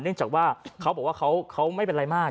เนื่องจากว่าเขาบอกว่าเขาไม่เป็นไรมาก